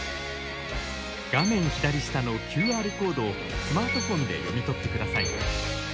画面左下のＱＲコードをスマートフォンで読み取ってください。